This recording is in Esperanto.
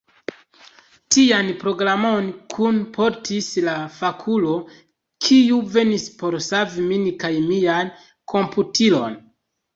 Tian programon kunportis la fakulo, kiu venis por savi min kaj mian komputilon.